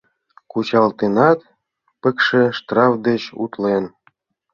Кучалтынат, пыкше штраф деч утлен.